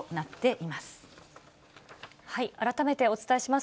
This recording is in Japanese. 改めてお伝えします。